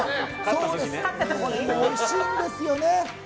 これもおいしいんですよね。